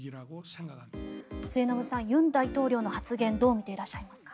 末延さん、尹大統領の発言をどう見ていらっしゃいますか。